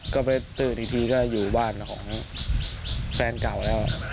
ก็ไปตื่นอีกทีก็อยู่บ้านของแฟนเก่าแล้ว